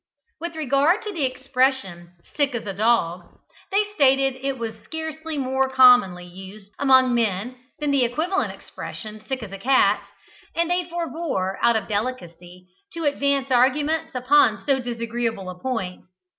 With regard to the expression, "sick as a dog," they stated that it was scarcely more commonly used among men than the equivalent expression, "sick as a cat;" and they forbore, out of delicacy, to advance arguments upon so disagreeable a point.